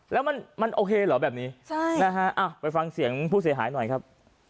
แล้วมันโอเคเหรอแบบนี้ใช่นะฮะไปฟังเสียงผู้เสียหายหน่อยครับ